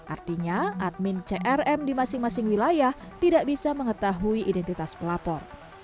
artinya admin crm di masing masing wilayah tidak bisa mengetahui identitas pelapor